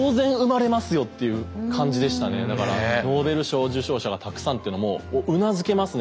だからノーベル賞受賞者がたくさんってのもうなずけますね